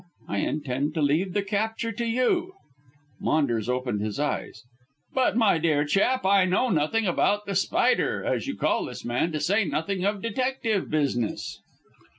I intend to leave the capture to you." Maunders opened his eyes. "But, my dear chap, I know nothing about The Spider, as you call this man, to say nothing of detective business."